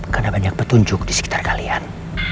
karena banyak petunjuk di sekitar kalian